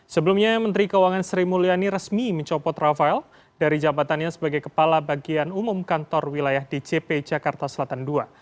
sebelumnya menteri keuangan sri mulyani resmi mencopot rafael dari jabatannya sebagai kepala bagian umum kantor wilayah dcp jakarta selatan ii